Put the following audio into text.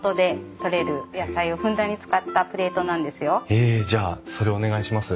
へえじゃあそれお願いします。